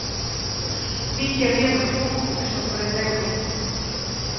Vin que había moi pouco, e sorprendeume.